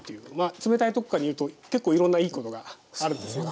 冷たいところから煮ると結構いろんないいことがあるんですよ。